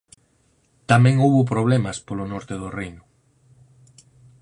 Tamén houbo problemas polo norte do reino.